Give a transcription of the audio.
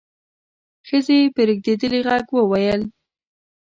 ښځې په رېږدېدلي غږ وويل: